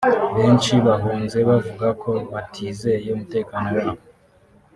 Benshi bahunze bavuga ko batizeye umutekano wabo